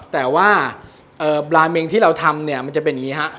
แต่ว่าบราเมงที่เราทำเนี่ยมันจะเป็นอย่างนี้ฮะ